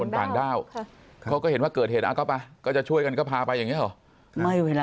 ต่างด้าวเขาก็เห็นว่าเกิดเหตุก็ไปก็จะช่วยกันก็พาไปอย่างนี้หรอไม่เวลา